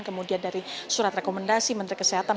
kemudian dari surat rekomendasi menteri kesehatan